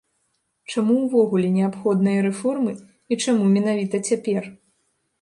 Чаму ўвогуле неабходныя рэформы і чаму менавіта цяпер?